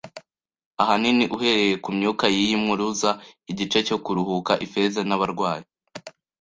Ahanini uhereye kumyuka yiyi mpuruza, igice cyo kuruhuka Ifeza nabarwayi